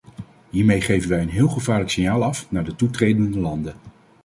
Hiermee geven wij een heel gevaarlijk signaal af naar de toetredende landen.